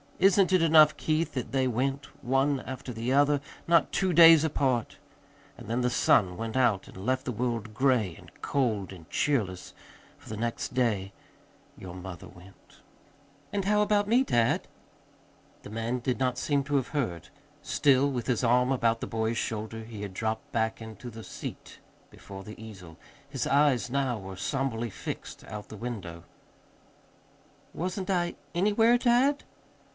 Isn't it enough, Keith, that they went, one after the other, not two days apart? And then the sun went out and left the world gray and cold and cheerless, for the next day your mother went." "And how about me, dad?" The man did not seem to have heard. Still with his arm about the boy's shoulder, he had dropped back into the seat before the easel. His eyes now were somberly fixed out the window. "Wasn't I anywhere, dad?"